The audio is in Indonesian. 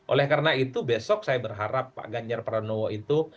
oleh karena itu besok saya berharap pak ganjar pranowo itu